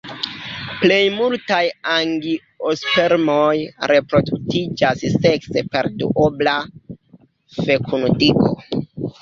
Plej multaj angiospermoj reproduktiĝas sekse per duobla fekundigo.